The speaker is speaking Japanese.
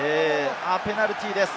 ペナルティーです。